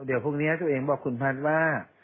เดี๋ยวพรุ่งนี้ตัวเองบอกคุณพัฒน์ว่า